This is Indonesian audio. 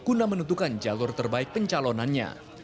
guna menentukan jalur terbaik pencalonannya